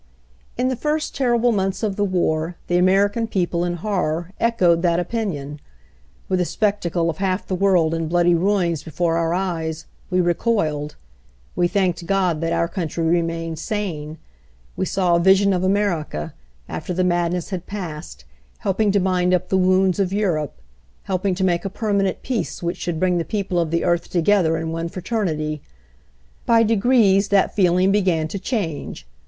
In the first terrible months of the war the American people, in horror, echoed that opinion. With the spectacle of half the world in bloody ruins before our eyes, we recoiled. We thanked God that our country remained sane. We saw a vision of America, after the madness had passed, helping to bind up the wounds of Europe, help ing to make a permanent peace which should bring the people of the earth together in one fra ternity. By degrees that feeling began to change.